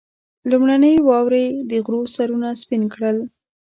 لومړنۍ واورې د غرو سرونه سپين کړل.